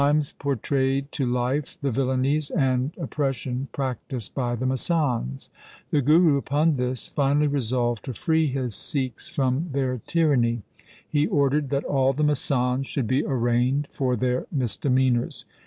The mimes portrayed to life the villanies and oppres sion practised by the masands. The Guru upon this finally resolved to free his Sikhs from their tyranny. He ordered that all the masands should be arraigned for their misdemeanours.